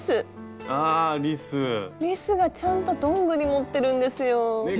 リスがちゃんとドングリ持ってるんですよ。ね！